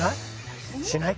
しない？